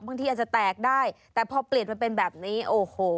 บางทีอาจจะแตกได้แต่พอเปลี่ยนมาเป็นแบบนี้โอ้โห